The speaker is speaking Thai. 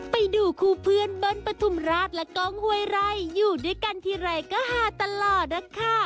ไปดูคู่เพื่อนเบิ้ลปฐุมราชและกล้องห้วยไร่อยู่ด้วยกันทีไรก็หาตลอดนะคะ